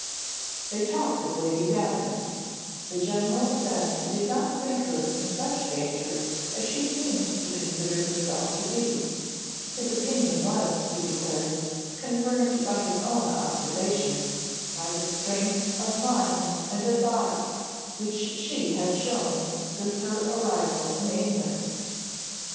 They talked of Lady Davenant; the general said he did not think her in such danger as she seemed to consider herself to be: his opinion was, he declared, confirmed by his own observation; by the strength of mind and of body which she had shown since her arrival in England.